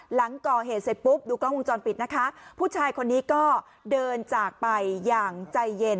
หลังก่อเหตุเสร็จปุ๊บดูกล้องวงจรปิดนะคะผู้ชายคนนี้ก็เดินจากไปอย่างใจเย็น